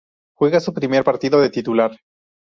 Juega su primer su partido de titular.